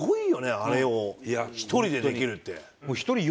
あれを１人でできるって。